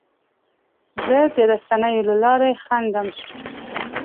زه د رسنیو له لارې خندم.